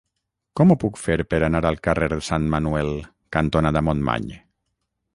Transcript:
Com ho puc fer per anar al carrer Sant Manuel cantonada Montmany?